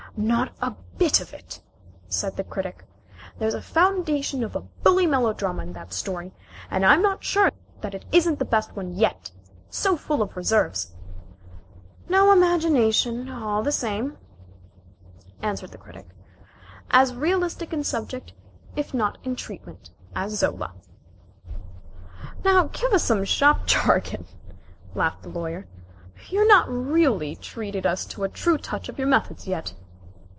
"Not a bit of it," said the Critic. "There's the foundation of a bully melodrama in that story, and I'm not sure that it isn't the best one yet so full of reserves." "No imagination, all the same," answered the Critic. "As realistic in subject, if not in treatment, as Zola." "Now give us some shop jargon," laughed the Lawyer. "You've not really treated us to a true touch of your methods yet."